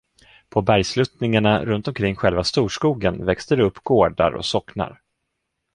På bergsluttningarna runtomkring själva storskogen växte det upp gårdar och socknar.